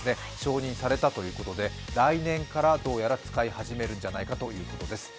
承認されたということで来年からどうやら使い始めるのではないかということです。